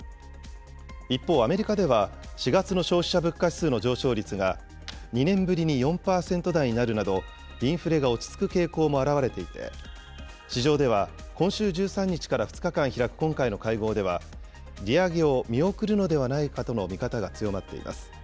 一方、アメリカでは４月の消費者物価指数の上昇率が２年ぶりに４％台になるなど、インフレが落ち着く傾向も表れていて、市場では今週１３日から２日間開く今回の会合では、利上げを見送るのではないかとの見方が強まっています。